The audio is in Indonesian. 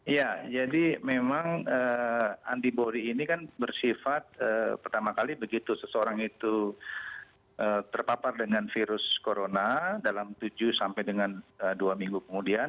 ya jadi memang antibody ini kan bersifat pertama kali begitu seseorang itu terpapar dengan virus corona dalam tujuh sampai dengan dua minggu kemudian